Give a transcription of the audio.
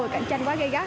cảnh tranh quá gây gắt